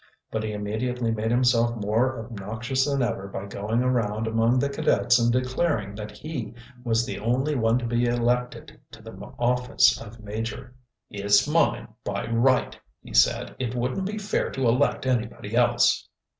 But he immediately made himself more obnoxious than ever by going around among the cadets and declaring that he was the only one to be elected to the office of major. "It's mine by right," he said. "It wouldn't be fair to elect anybody else."